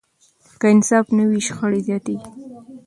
که انصاف نه وي، شخړې زیاتېږي.